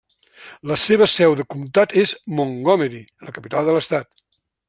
La seva seu de comtat és Montgomery, la capital de l'estat.